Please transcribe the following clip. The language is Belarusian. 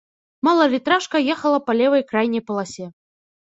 Малалітражка ехала па левай крайняй паласе.